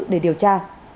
để điều tra